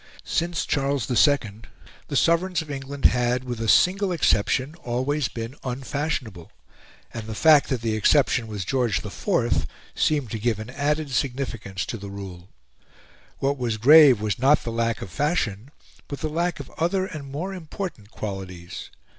Since Charles the Second the sovereigns of England had, with a single exception, always been unfashionable; and the fact that the exception was George the Fourth seemed to give an added significance to the rule. What was grave was not the lack of fashion, but the lack of other and more important qualities.